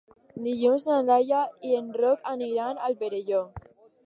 Dilluns na Laia i en Roc aniran al Perelló.